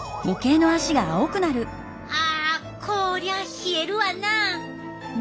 あ！こりゃ冷えるわなあ。